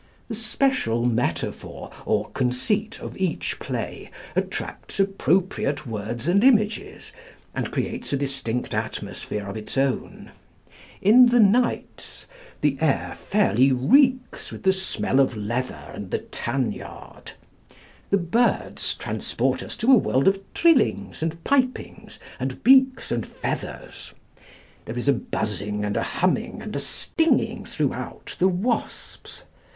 The special metaphor or conceit of each play attracts appropriate words and images, and creates a distinct atmosphere of its own. In the 'Knights' the air fairly reeks with the smell of leather and the tanyard. The 'Birds' transport us to a world of trillings and pipings, and beaks and feathers. There is a buzzing and a humming and a stinging throughout the 'Wasps.'